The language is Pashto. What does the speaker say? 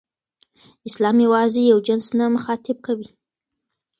اسلام یوازې یو جنس نه مخاطب کوي.